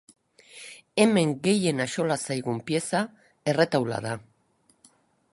Hemen gehien axola zaigun pieza erretaula da.